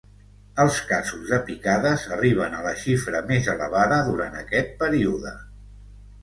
Els casos de picades arriben a la xifra més elevada durant aquest període.